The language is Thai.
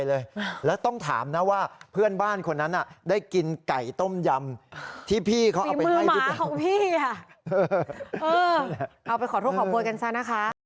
เออเอาไปขอโทษขอบคุณกันซะนะคะ